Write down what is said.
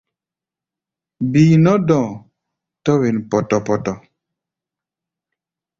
Bíí nɔ́ dɔ̧ɔ̧, tɔ̧́ wen pɔtɔ-pɔtɔ.